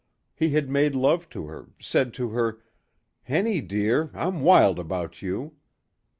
He had made love to her, said to her, "Henny dear, I'm wild about you."